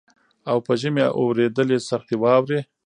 او په ژمي اورېدلې سختي واوري